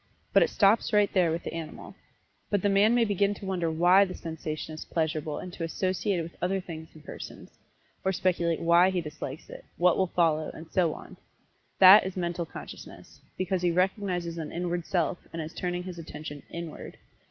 But it stops right there with the animal. But the man may begin to wonder why the sensation is pleasurable and to associate it with other things and persons; or speculate why he dislikes it, what will follow, and so on that is Mental Consciousness, because he recognizes an inward self, and is turning his attention inward.